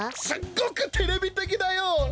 すっごくテレビてきだよ。